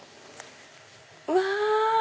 うわ！